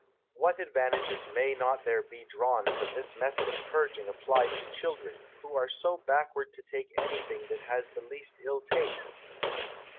What Advantages may not there be drawn from this Method of Purging apply'd to Children, who are so backward to take any thing that has the least ill Taste?